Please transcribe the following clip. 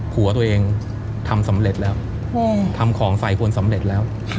ผัวตัวเองทำสำเร็จแล้วทำของใส่คนสำเร็จแล้ว